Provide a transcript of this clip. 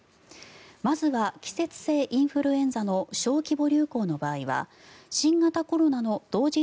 まずは季節性インフルエンザの小規模流行の場合は新型コロナの同時